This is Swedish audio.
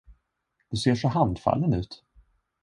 Du ser så handfallen ut?